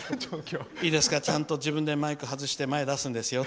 いいですか、ちゃんと自分でマイクを外して前に出るんですよ